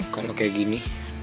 kalau kayak gini